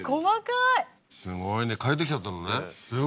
すごいね借りてきちゃったのね。